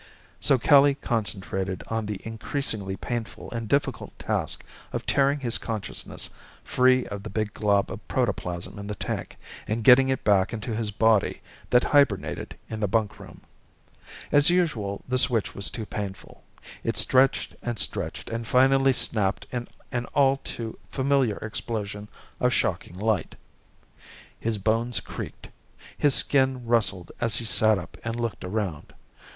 So Kelly concentrated on the increasingly painful and difficult task of tearing his consciousness free of the big glob of protoplasm in the tank, and getting it back into his body that hibernated in the bunkroom. As usual the switch was too painful. It stretched and stretched and finally snapped in an all too familiar explosion of shocking light. His bones creaked. His skin rustled as he sat up and looked around.